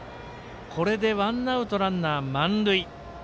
これでワンアウト、ランナー、満塁。